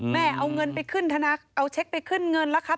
แม่เอาเงินไปขึ้นธนาคเอาเช็คไปขึ้นเงินแล้วครับ